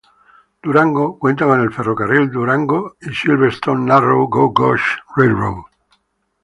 Durango cuenta con el ferrocarril Durango and Silverton Narrow Gauge Railroad.